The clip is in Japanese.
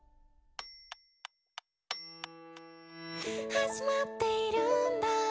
「始まっているんだ